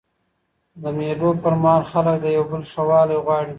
د مېلو پر مهال خلک د یو بل ښه والی غواړي.